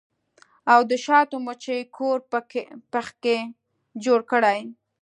او د شاتو مچۍ کور پکښې جوړ کړي